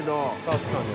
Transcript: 確かに。